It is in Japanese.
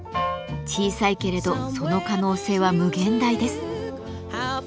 小さいけれどその可能性は無限大です。